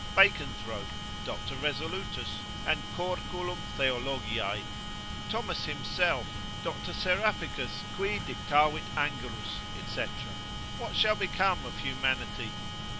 Baconthrope, Dr. Resolutus, and Corculum Theolgiae, Thomas himself, Doctor Seraphicus, cui dictavit Angelus, &c. What shall become of humanity?